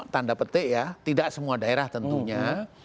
tanda petik ya tidak semua daerah tentunya